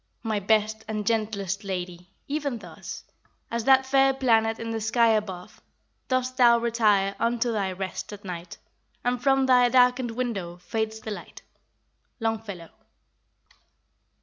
My best and gentlest lady! even thus, As that fair planet in the sky above, Dost thou retire unto thy rest at night, And from thy darkened window fades the light. Longfellow.